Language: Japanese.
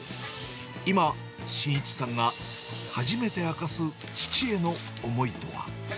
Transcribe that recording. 今、真一さんが初めて明かす父への思いとは。